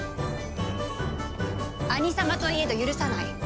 兄様といえど許さない！